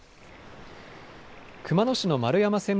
熊野市の丸山千